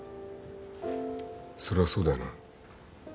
それはそうだよな。